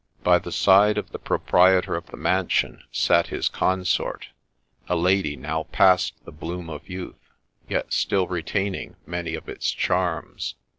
By the side of the proprietor of the mansion sat his consort, a lady now past the bloom of youth, yet still retaining many of its charms.